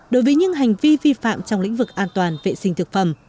đối với những hành vi vi phạm trong lĩnh vực an toàn vệ sinh thực phẩm